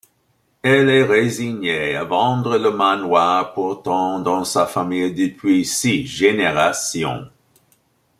Elle est résignée à vendre le manoir pourtant dans sa famille depuis six générations.